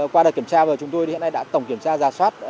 qua đợt kiểm tra vừa chúng tôi thì hiện nay đã tổng kiểm tra giả soát